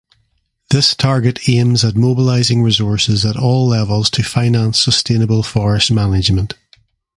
This target aims at mobilizing resources at all levels to finance sustainable forest management.